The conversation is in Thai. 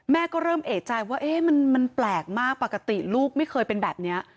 ก็เริ่มเอกใจว่ามันแปลกมากปกติลูกไม่เคยเป็นแบบนี้